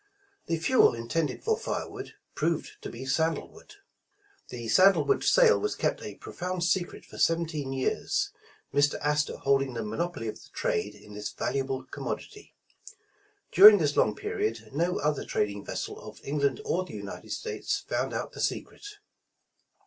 The fuel intended for fire wood, proved to be sandal wood. The sandal wood sale was kept a profound secret for seventeen years, Mr. Astor holding the ^nonopoly of the trade in this valuable commodity. During this long period no other trading vessel of England or the United States found out the secret.